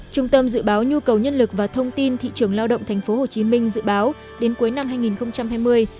trung tâm dự báo nhu cầu nhân lực và thông tin thị trường lao động thành phố hồ chí minh dự báo đến cuối năm hai nghìn hai mươi